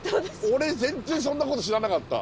俺全然そんなこと知らなかった。